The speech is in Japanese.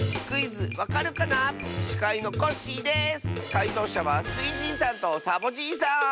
かいとうしゃはスイじいさんとサボじいさん！